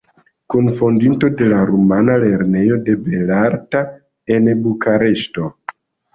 Kunfondinto de la rumana Lernejo de belarto en Bukareŝto.